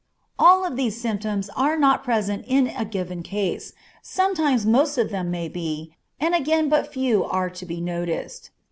All of these symptoms are not present in a given case; sometimes most of them may be, and again but few are to be noticed.